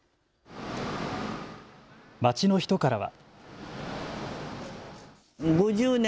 街の人からは。